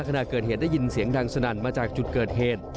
ขณะเกิดเหตุได้ยินเสียงดังสนั่นมาจากจุดเกิดเหตุ